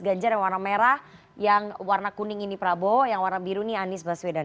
ganjar yang warna merah yang warna kuning ini prabowo yang warna biru ini anies baswedan